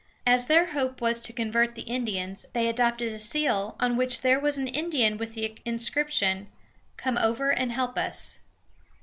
As their hope was to convert the Indians, they adopted a seal on which there was an Indian, with the inscription, "Come over and help us."